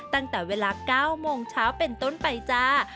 ตั้งแต่เวลา๙โมงเช้าเป็นต้นไปจ้า